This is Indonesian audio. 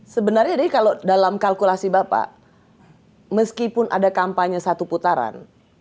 sebenarnya kalau dalam kalkulasi bapak meskipun ada kampanye satu putaran